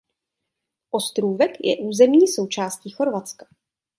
Ostrůvek je územní součástí Chorvatska.